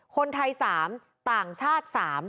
คนไทย๓ต่างชาติ๓